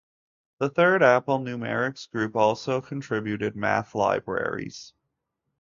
The Apple Numerics Group also contributed math libraries.